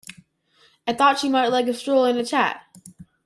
I thought she might like a stroll and a chat.